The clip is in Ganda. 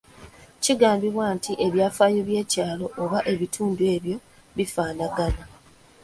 Kigambabibwa nti ebyafaayo by’ebyalo oba ebitundu ebyo bifaanagana.